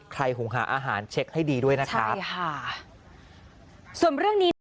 ใครหงหาอาหารเช็คให้ดีด้วยนะครับใช่ค่ะ